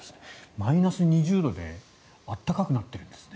マイナス２０度で暖かくなっているんですね。